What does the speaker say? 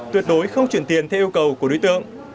tuyệt đối không chuyển tiền theo yêu cầu của đối tượng